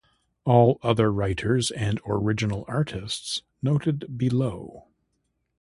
All other writers and original artists noted below.